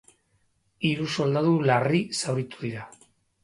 Hiru soldadu larri zauritu dira.